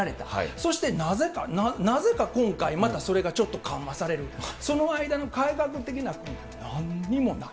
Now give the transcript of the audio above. そしてなぜか、なぜか今回、またそれがちょっと緩和される、その間の改革というのはなんにもない。